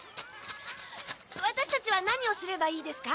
ワタシたちは何をすればいいですか？